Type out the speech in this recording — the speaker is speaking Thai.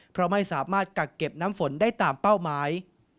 เพราะไม่สามารถกักเก็บน้ำฝนได้ตามเป้าหมาย